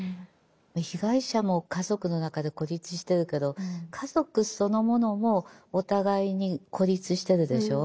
被害者も家族の中で孤立してるけど家族そのものもお互いに孤立してるでしょう。